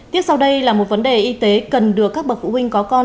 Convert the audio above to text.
tiếp sau đây là một vấn đề y tế cần được các bậc phụ huynh có con